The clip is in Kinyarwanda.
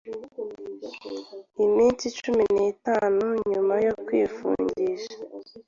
iminsi cumi n’itanu nyuma yo kwifungisha